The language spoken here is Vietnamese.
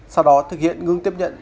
sau đó thực hiện ngừng tiếp nhận